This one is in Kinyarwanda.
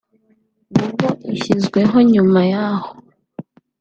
Google+ ishyizweho nyuma y’ aho